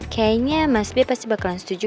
kayaknya mas b pasti bakalan setuju